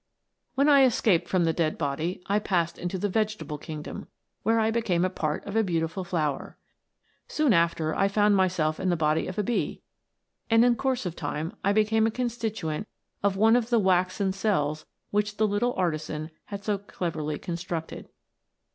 "When I escaped from the dead body, I passed into the vegetable kingdom, where I became a part of a beautiful flower. Soon after, I found myself in the body of a bee, and in course of time I became a constituent of one of the waxen cells which the little artisan had so cleverly constructed.